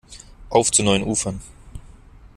Auf zu neuen Ufern!